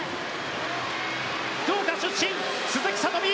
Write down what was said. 福岡出身、鈴木聡美。